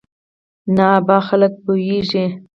نه ابا خلک پوېېږي.